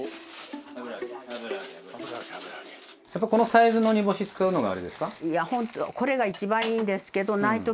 やっぱこのサイズの煮干し使うのがあれですか？